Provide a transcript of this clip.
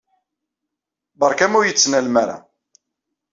Beṛkam ur yi-d-ttnalem ara.